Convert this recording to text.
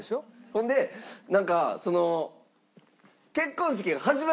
ほんでなんかその。